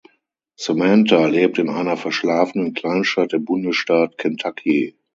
Samantha lebt in einer verschlafenen Kleinstadt im Bundesstaat Kentucky.